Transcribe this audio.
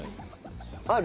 ある？